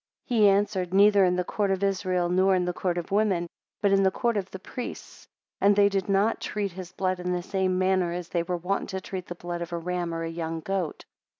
He answered, Neither in the court of Israel, nor in the court of women, but in the court of the priests; and they did not treat his blood in the same manner as they were wont to treat the blood of a ram or young goat.